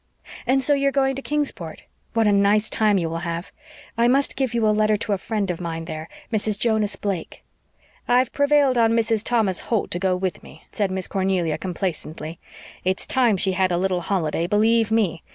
And so you're going to Kingsport? What a nice time you will have. I must give you a letter to a friend of mine there Mrs. Jonas Blake." "I've prevailed on Mrs. Thomas Holt to go with me," said Miss Cornelia complacently. "It's time she had a little holiday, believe ME.